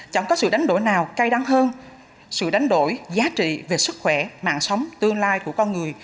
chẳng có sự đánh đổi nào cay đắng hơn sự đánh đổi giá trị về sức khỏe mạng sống tương lai của con người